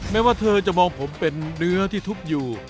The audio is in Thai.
แม้ว่าเธอจะมองผมเป็นเนื้อที่ทุบอยู่